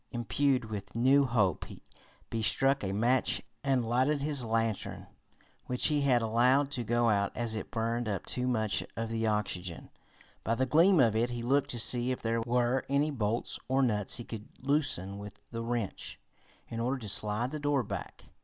Imbued with new hope he struck a match and lighted his lantern, which he had allowed to go out as it burned up too much of the oxygen. By the gleam of it he looked to see if there were any bolts or nuts he could loosen with the wrench, in order to slide the door back.